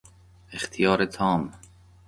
اختیار تام